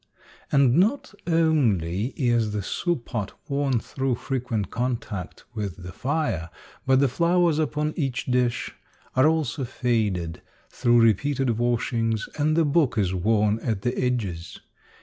And not only is the soup pot worn through frequent contact with the fire, but the flowers upon each dish are also faded, through repeated wash ings, and the book is worn at the edges.